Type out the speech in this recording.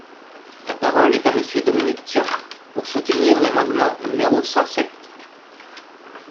La parole est à Monsieur Dominique Tian, pour soutenir l’amendement numéro cent sept.